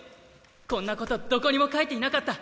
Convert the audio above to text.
こんなことどこにも書いていなかった。